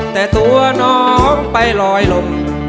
แต่ตัวน้องไปลอยลม